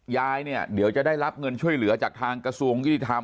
ยายจะได้รับเงินช่วยเหลือจากทางกระทรวงนิฤทธรรม